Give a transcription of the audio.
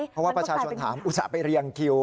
เพราะว่าประชาชนถามอุตส่าห์ไปเรียงคิว